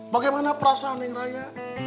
bagaimana perasaan neng raya